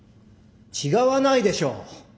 違わないでしょう！